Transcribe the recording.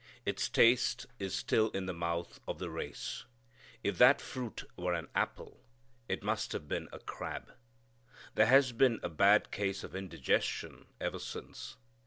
Its taste is still in the mouth of the race. If that fruit were an apple it must have been a crab. There has been a bad case of indigestion ever since.